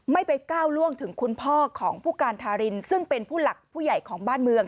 ไม่ไปก้าวล่วงถึงคุณพ่อของผู้การทารินซึ่งเป็นผู้หลักผู้ใหญ่ของบ้านเมือง